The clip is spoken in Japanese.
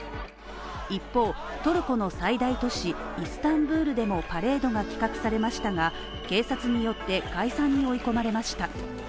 一方、トルコの最大都市、イスタンブールでもパレードが企画されましたが警察によって、解散に追い込まれました。